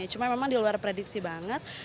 cuma memang di luar prediksi banget